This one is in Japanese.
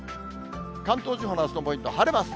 関東地方のあすのポイント、晴れます。